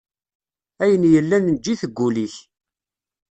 Ayen yellan eǧǧ-it deg ul-ik.